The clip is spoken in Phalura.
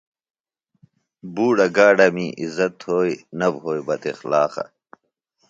بُوڈہ گاڈمے عزت تھوئے نہ بھوئے بداخلاقہ۔